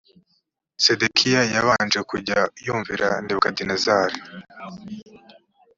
sedekiya yabanje kujya yumvira nebukadinezari